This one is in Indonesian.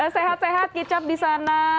dan juga semoga situasi disana juga berjalan lancar